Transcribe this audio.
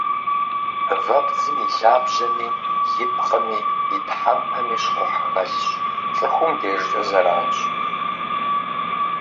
Вэбдзым и лъабжьэми, и пкъыми, и тхьэмпэми щхъухь хэлъщ, цӏыхум и дежкӏэ зэранщ.